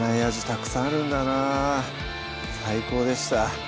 たくさんあるんだな最高でした